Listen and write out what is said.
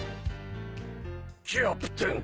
キャプテン。